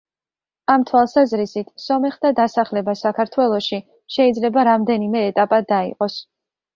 ამ თვალსაზრისით, სომეხთა დასახლება საქართველოში შეიძლება რამდენიმე ეტაპად დაიყოს.